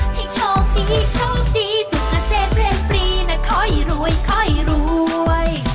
ให้ชมดีชมดีสุดเสพเล่นปรีนะคนรวยคนรวย